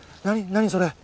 何それ？